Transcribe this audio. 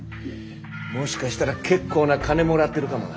もしかしたら結構な金もらってるかもな。